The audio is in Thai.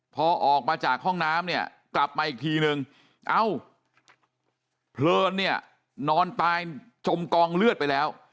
พอออกมาจากห้องน้ำเนี่ยกลับมาอีกทีนึงเอ้าเพลินเนี่ยนอนตายจมกองเลือดไปแล้ว